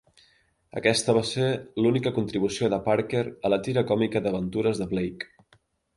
Aquesta va ser l'única contribució de Parker a la tira còmica d'aventures de Blake.